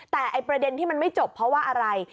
แต่ประเด็นที่มันไม่จบเพราะว่าอะไร